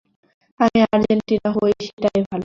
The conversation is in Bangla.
আমিই আর্জেন্টিনা হই, সেটাই ভালো।